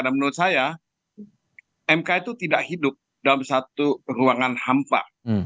dan menurut saya mk itu tidak hidup dalam satu ruangan hampa